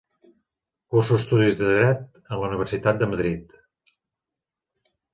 Curso estudis de Dret en la Universitat de Madrid.